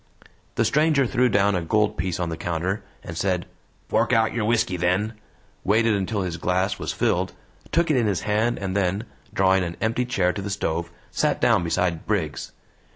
The stranger threw down a gold piece on the counter and said: "Fork out your whisky, then," waited until his glass was filled, took it in his hand, and then, drawing an empty chair to the stove, sat down beside Briggs.